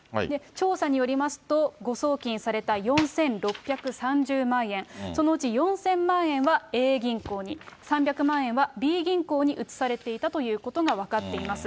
調査によりますと、誤送金された４６３０万円、そのうち４０００万円はＡ銀行に、３００万円はＢ銀行に移されていたということが分かっています。